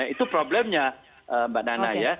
itu problemnya mbak nana ya